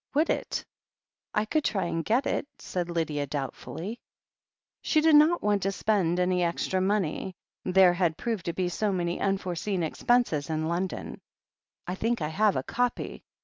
"Would it? I could try and get it." said Lydia doubtftdly. She did not want to spend any extra money. There had proved to be so many unforeseen expenses in London. "I think I have a copy.